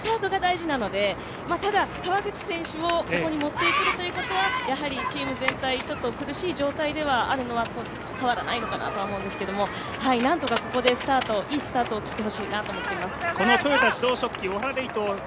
駅伝はスタートが大事なので、ただ川口選手をここにもってくるということは、チーム全体苦しい状態ではあるのは、変わらないのかなと思うんですが何とかここで、いいスタートを切ってほしいなと思っています。